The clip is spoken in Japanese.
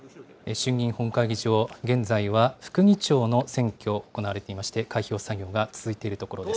衆議院本会議場、現在は副議長の選挙、行われていまして、開票作業が続いているところです。